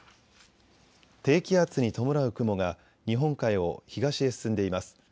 低気圧に伴う雲が日本海を東へ進んでいます。